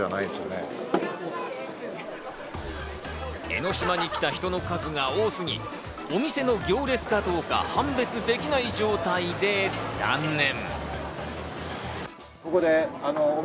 江の島に来た人の数が多すぎ、お店の行列かどうか判別できない状態で断念。